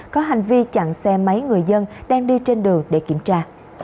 có hành vi chặn xe máy người dân đang đi trên đường để kiểm tra